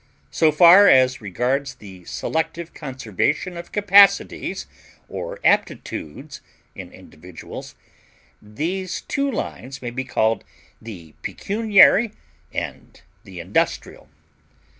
So far as regards the selective conservation of capacities or aptitudes in individuals, these two lines may be called the pecuniary and the industrial.